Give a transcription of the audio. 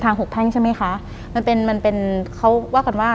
หลังจากนั้นเราไม่ได้คุยกันนะคะเดินเข้าบ้านอืม